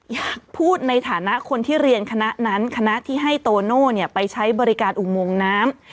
อยากพูดในฐานะคนที่เรียนคณะนั้นคณะที่ให้โตโน่ไปใช้บริการอุโมงน้ำ